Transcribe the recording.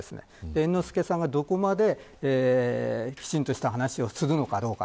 猿之助さんは、どこまできちんと話をするのかどうか。